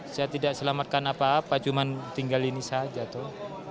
saya tidak selamatkan apa apa cuma tinggal ini saja tuh